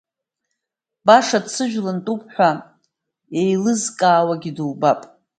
Баша дсыжәланытәуп ҳәа еилызкаауагьы дубап.